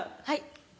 はい。